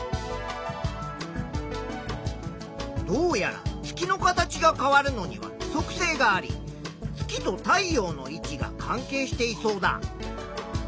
どうやら月の形が変わるのには規則性があり月と太陽の位置が関係していそうだ。